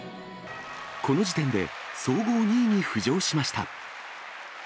この時点で総合２位に浮上しました。